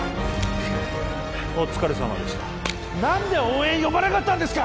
お疲れさまでした何で応援呼ばなかったんですか！